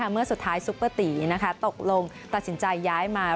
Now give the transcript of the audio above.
เมื่อสุดท้ายซุปเปอร์ตีตกลงตัดสินใจย้ายมา